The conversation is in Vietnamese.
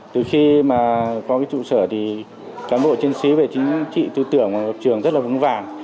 từ khi mà có cái trụ sở thì cán bộ chiến sĩ về chính trị tư tưởng trường rất là vững vàng